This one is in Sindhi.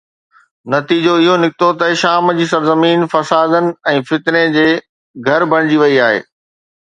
نتيجو اهو نڪتو ته شام جي سرزمين فسادن ۽ فتني جي گهر بڻجي وئي آهي.